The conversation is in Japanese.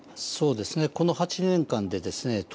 そうですねこの８年間でですね